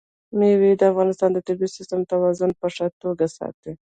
مېوې د افغانستان د طبعي سیسټم توازن په ښه توګه ساتي.